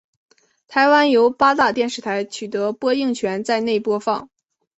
台湾由八大电视台取得播映权在内播放。